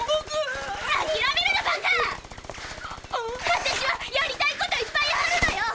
私はやりたいこといっぱいあるのよ！